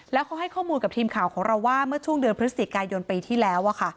แล้วเขาให้ข้อมูลกับทีมข่าวของเราว่าเมื่อช่วงเดือนพฤศจิกายนปีที่แล้ว